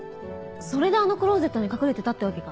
それであのクローゼットに隠れてたってわけか。